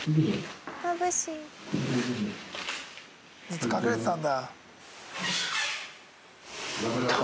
ずっと隠れてたんだ。